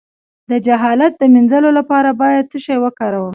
د جهالت د مینځلو لپاره باید څه شی وکاروم؟